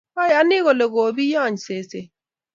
Ayani kole kobiony seset